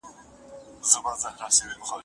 ګیلې دې ځار شم ګیله منه یاره